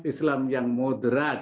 islam yang moderat